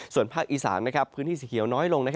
ส่วนภาคอีสานพื้นที่สีเขียวน้อยลง